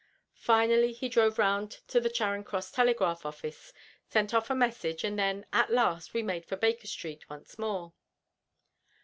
Finally he drove round to the Charing Cross telegraph office, sent off a message, and then, at last, we made for Baker Street once more.